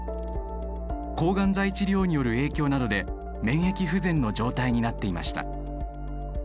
抗がん剤治療による影響などで免疫不全の状態になっていました。